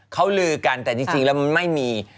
เขาลือกันแต่จริงแล้วมันไม่มี